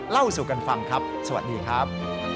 เล่าสู่กันฟังครับสวัสดีครับ